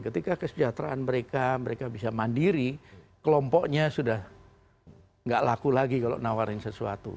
ketika kesejahteraan mereka mereka bisa mandiri kelompoknya sudah tidak laku lagi kalau nawarin sesuatu